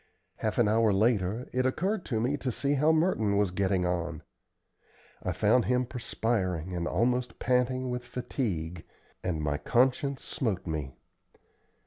Half an hour later it occurred to me to see how Merton was getting on. I found him perspiring, and almost panting with fatigue, and my conscience smote me.